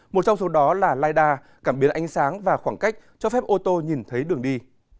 một trong số đó là lidar cảm biến ánh sáng và khoảng cách cho phép ô tô nhìn thấy đường đi